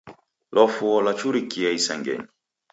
Lwafuo lwachurikie isangenyi.